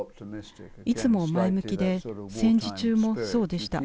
いつも前向きで戦時中もそうでした。